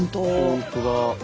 本当だ。